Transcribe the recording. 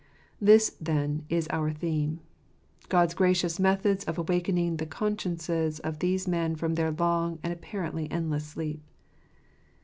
a ,, This, then, is our theme: God's gracious methods 0/ awakening the consciences of these men from their long and apparently endless sleep.